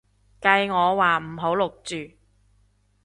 計我話唔好錄住